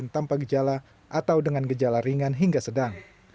tanpa gejala atau dengan gejala ringan hingga sedang